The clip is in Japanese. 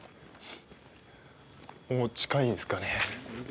もう近いんですかね。